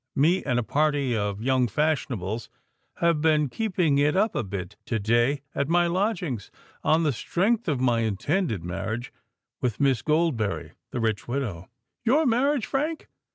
Me and a party of young fashionables have been keeping it up a bit to day at my lodgings—on the strength of my intended marriage with Mrs. Goldberry, the rich widow——" "Your marriage, Frank!"